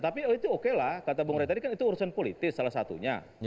tapi itu oke lah kata bu ngurai tadi kan itu urusan politik salah satunya